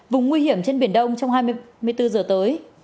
vùng nguy hiểm trên biển đông trong hai mươi bốn giờ tới